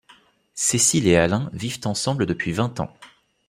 Cécile et Alain vivent ensemble depuis vingt ans.